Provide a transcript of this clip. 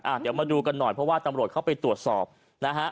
เดี๋ยวมาดูกันหน่อยเพราะว่าตำรวจเข้าไปตรวจสอบนะฮะ